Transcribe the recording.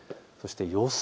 予想